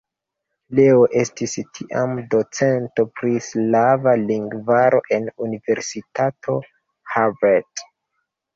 Leo estis tiam docento pri slava lingvaro en Universitato Harvard.